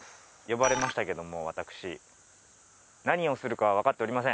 呼ばれましたけども私何をするかはわかっておりません。